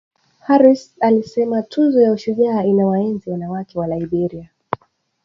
Harris alisema Tuzo ya Ushujaa inawaenzi wanawake wa Liberia